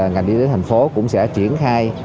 ngành y tế thành phố cũng sẽ triển khai